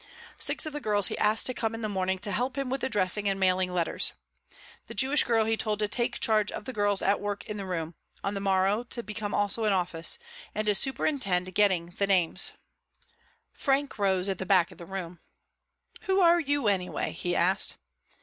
Six of the girls he asked to come in the morning to help him with addressing and mailing letters. The Jewish girl he told to take charge of the girls at work in the room on the morrow to become also an office and to superintend getting the names. Frank rose at the back of the room. "Who are you anyway?" he asked.